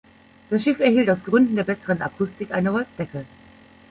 Das Schiff erhielt aus Gründen der besseren Akustik eine Holzdecke.